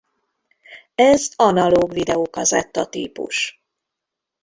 Ez analóg videókazetta típus.